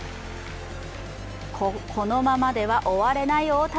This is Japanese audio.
このままでは終われない大谷。